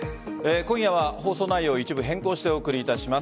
今夜は放送内容を一部変更してお送りいたします。